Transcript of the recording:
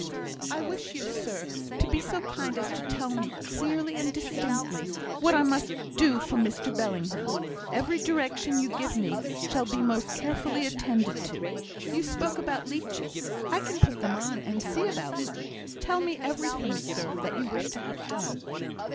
"I wish you, sir, to be so kind as to tell me, clearly and distinctly, what I must do for Mr Bellingham. Every direction you give me shall be most carefully attended to. You spoke about leeches I can put them on, and see about them. Tell me everything, sir, that you wish to have done!"